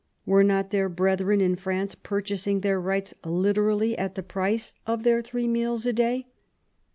Were not their brethren in France purchasing their rights literally at the price of their three meals a day?